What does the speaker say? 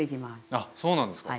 あっそうなんですか。